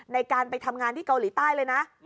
ในการไปทำงานที่เกาหลีใต้เลยนะ